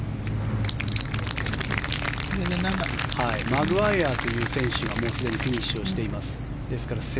マグワイヤという選手がすでにフィニッシュをしています。